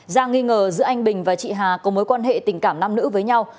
giang nghi ngờ giữa anh bình và chị hà có mối quan hệ tình cảm nam nữ với nhau